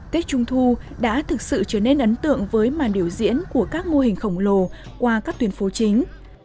tết trung thu đã thực sự trở nên ấn tượng với màn biểu diễn của các mô hình khổng lồ qua các tuyển phố chính